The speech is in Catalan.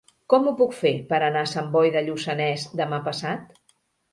Com ho puc fer per anar a Sant Boi de Lluçanès demà passat?